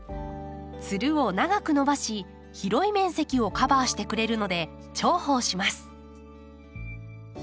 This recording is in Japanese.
つるを長く伸ばし広い面積をカバーしてくれるので重宝します。